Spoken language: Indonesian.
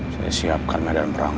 saya siapkan medan perang